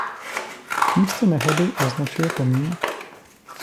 Místo nehody označuje pomník.